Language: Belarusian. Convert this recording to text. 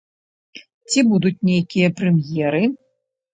Ці будуць нейкія прэм'еры?